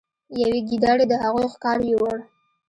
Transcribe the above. یوې ګیدړې د هغوی ښکار یووړ.